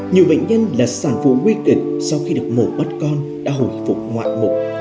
nhiều bệnh nhân là sản phụ nguy kịch sau khi được mổ mất con đã hồi phục ngoại mục